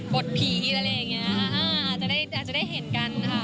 บทผีอะไรอย่างเงี้ยอาจจะได้เห็นกันค่ะ